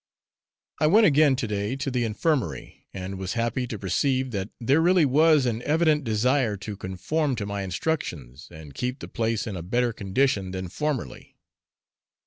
I went again to day to the Infirmary, and was happy to perceive that there really was an evident desire to conform to my instructions, and keep the place in a better condition than formerly.